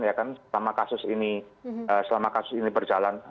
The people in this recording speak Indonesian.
ya kan selama kasus ini berjalan